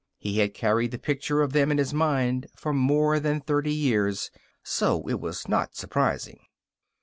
He had carried the picture of them in his mind for more than thirty years, so it was not so surprising.